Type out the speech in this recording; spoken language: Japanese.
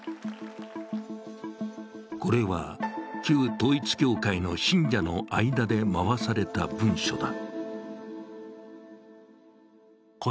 これは旧統一教会の信者の間で回された文書だ。